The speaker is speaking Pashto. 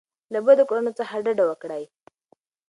له بدو کړنو څخه ډډه وکړئ.